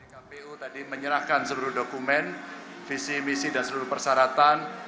kpu tadi menyerahkan seluruh dokumen visi misi dan seluruh persyaratan